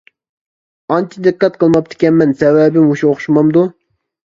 ئانچە دىققەت قىلماپتىكەن، سەۋەبى مۇشۇ ئوخشىمامدۇ.